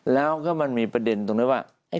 แล้วก็มันมีประเด็นตรงนี้ว่า